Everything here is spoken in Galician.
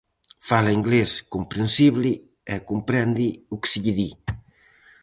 Fala inglés comprensible e comprende o que se lle di.